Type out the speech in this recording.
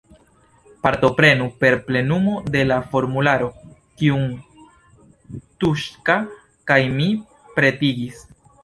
Partoprenu per plenumo de la formularo, kiun Tuŝka kaj mi pretigis.